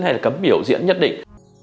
hay là cấm biểu diễn nhất định